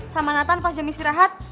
sama nathan pas jam istirahat